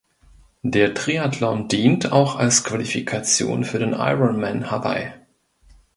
Der Triathlon dient auch als Qualifikation für den Ironman Hawaii.